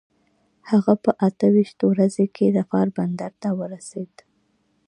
هغه په اته ویشت ورځي کې ظفار بندر ته ورسېد.